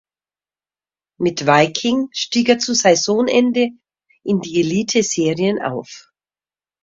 Mit Viking stieg er zu Saisonende in die Eliteserien auf.